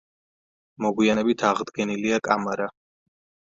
მოგვიანებით აღდგენილია კამარა.